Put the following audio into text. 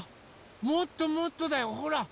もっともっとだよほら。